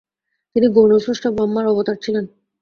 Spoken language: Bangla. তিনি গৌণ স্রষ্টা ব্রহ্মার অবতার ছিলেন।